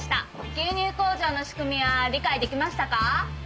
牛乳工場の仕組みは理解できましたか？